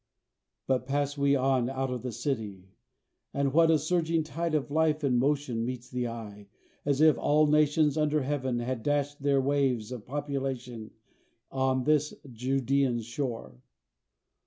But pass we on out of the city, and what a surging tide of life and motion meets the eye, as if all nations under heaven had dashed their waves of population on this Judean shore!